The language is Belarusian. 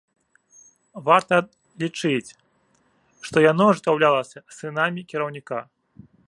Варта лічыць, што яно ажыццяўлялася сынамі кіраўніка.